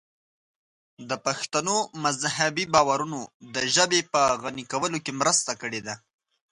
د پښتنو مذهبي باورونو د ژبې په غني کولو کې مرسته کړې ده.